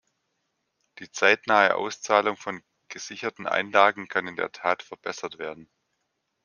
Die zeitnahe Auszahlung von gesicherten Einlagen kann in der Tat verbessert werden.